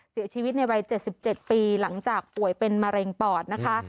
เสียชีวิตในวัย๗๗ปีหลังจากป่วยเป็นมะเร็งปอดนะคะ